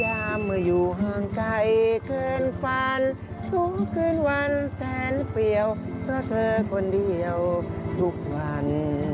อย่ามาอยู่ห่างไกลเกินฝันทุกคืนวันแสนเปรียวเพราะเธอคนเดียวทุกวัน